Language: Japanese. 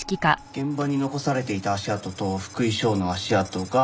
現場に残されていた足跡と福井翔の足跡が。